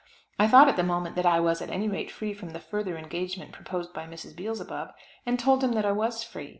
I thought at the moment that I was at any rate free from the further engagement proposed by Mrs. Beelzebub, and told him that I was free.